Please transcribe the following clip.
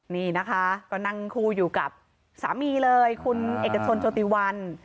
นี่นะคะก็นั่งคู่อยู่กับสามีเลยคุณเอกชนโชติวัน